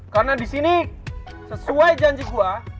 karena disini sesuai janji gue